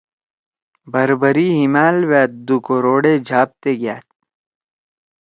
بھر بھری ہیمال ویأت دو کُروڑے جھاپتے گیأت؟۔